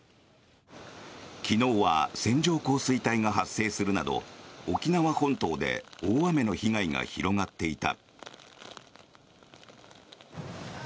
昨日は線状降水帯が発生するなど沖縄本島で大雨の被害が広がっていた。